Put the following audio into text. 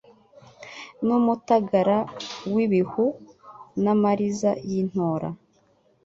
N' umutagara w' ib' ihubi N' Amariza y' i Ntora,